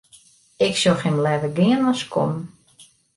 Ik sjoch him leaver gean as kommen.